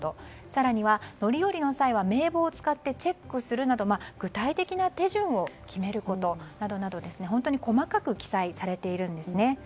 更には、乗り降りの際は名簿を使ってチェックするなど具体的な手順を決めることなど本当に細かく記載されているんですね。